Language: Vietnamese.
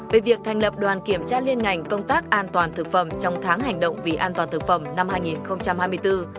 về việc thành lập đoàn kiểm tra liên ngành công tác an toàn thực phẩm trong tháng hành động vì an toàn thực phẩm năm hai nghìn hai mươi bốn